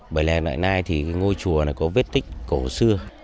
bảy làng đại lai thì ngôi chùa này có vết tích cổ xưa